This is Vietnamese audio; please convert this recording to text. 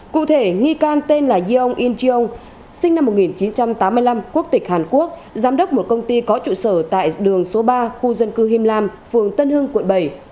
cụ thể nghi can tên là yong in jion sinh năm một nghìn chín trăm tám mươi năm quốc tịch hàn quốc giám đốc một công ty có trụ sở tại đường số ba khu dân cư him lam phường tân hưng quận bảy